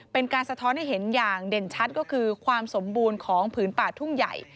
สะท้อนให้เห็นอย่างเด่นชัดก็คือความสมบูรณ์ของผืนป่าทุ่งใหญ่